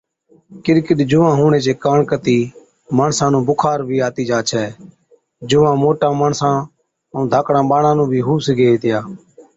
ڪِڏ ڪِڏ جُوئان هُوَڻي چي ڪاڻ ڪتِي ماڻسان نُون بُخار بِي آتِي جا ڇَي، جُوئان موٽان ماڻسان ائُون ڌاڪڙان ٻاڙان نُون بِي هُو سِگھي هِتِيا۔